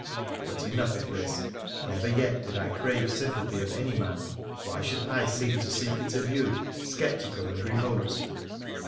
But enough of this. Never yet did I crave sympathy of any man : why should I seem to seek it of you — sceptical and remote